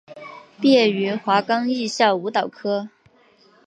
毕业于华冈艺校舞蹈科。